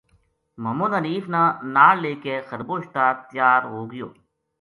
محمد حنیف نا نال لے کے خربوش تا تیا ر ہو گیو